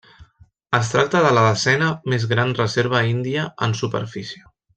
Es tracta de la desena més gran reserva índia en superfície.